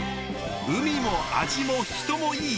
海も味も人もいい！